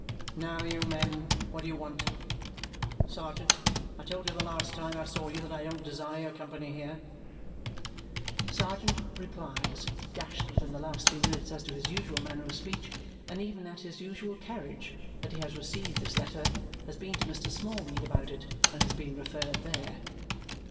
"Now, you men, what do you want? Sergeant, I told you the last time I saw you that I don't desire your company here." Sergeant replies dashed within the last few minutes as to his usual manner of speech, and even as to his usual carriage that he has received this letter, has been to Mr. Smallweed about it, and has been referred there.